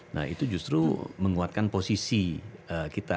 nah itu justru menguatkan posisi kita